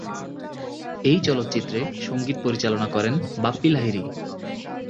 এই চলচ্চিত্রে সংগীত পরিচালনা করেন বাপ্পী লাহিড়ী।